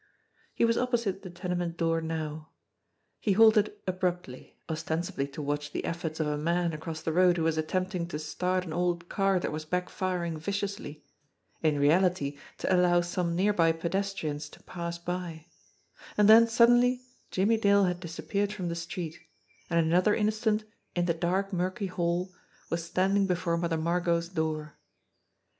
He was opposite the tenement door now. He halted abruptly, ostensibly to watch the efforts of a man across the road who was attempting to start an old car that was back firing viciously, in reality to allow some near by pedestrians to pass by and then suddenly Jimmie Dale had disappeared from the street, and in another instant, in the dark, murky hall, was standing before Mother Margot's door.